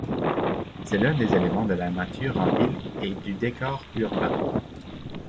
C'est l'un des éléments de la nature en ville et du décor urbain.